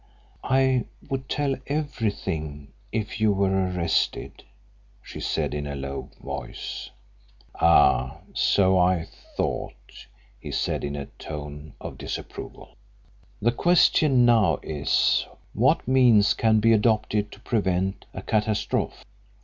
"I would tell everything if you were arrested," she said, in a low voice. "Ah, so I thought," he said, in a tone of disapproval. "The question now is what means can be adopted to prevent a catastrophe.